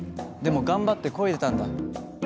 でも頑張ってこいでたんだ。